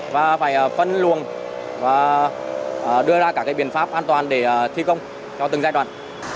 và phải phân luồng và đưa ra các biện pháp an toàn để thi công cho từng giai đoạn